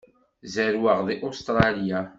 Zerweɣ deg Ustṛalya.